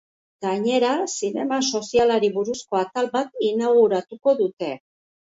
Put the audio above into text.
Gainera, zinema sozialari buruzko atal bat inauguratuko dute.